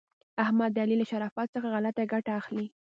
احمد د علي له شرافت څخه غلته ګټه اخلي.